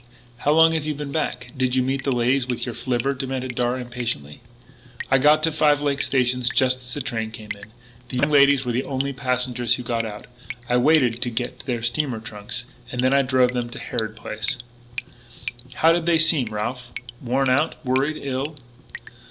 "How long have you been back! Did you meet the ladies with your flivver?" demanded Darragh, impatiently. "I got to Five Lakes station just as the train came in. The young ladies were the only passengers who got out. I waited to get their two steamer trunks and then I drove them to Harrod Place " "How did they seem, Ralph worn out worried ill?"